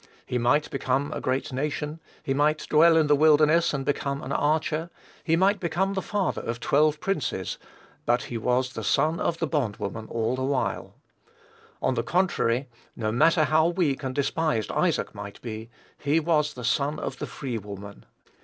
He might become a great nation; he might dwell in the wilderness and become an archer; he might become the father of twelve princes; but he was the son of the bond woman all the while. On the contrary, no matter how weak and despised Isaac might be, he was the son of the free woman.